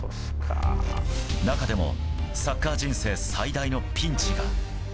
中でもサッカー人生最大のピンチが。